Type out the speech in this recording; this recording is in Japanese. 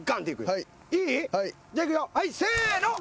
いい？じゃあいくよはいせの。